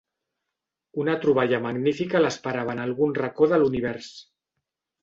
Una troballa magnífica l'esperava en algun racó de l'univers.